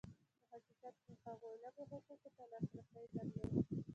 په حقیقت کې هغوی لږو حقوقو ته لاسرسی درلود.